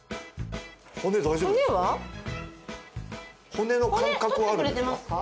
骨の感覚はあるんですか？